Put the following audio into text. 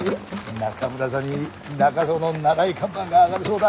中村座に中蔵の名題看板が上がるそうだ。